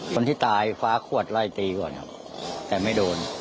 คนที่ตายคว้าขวดไล่ตีก่อนครับแต่ไม่โดน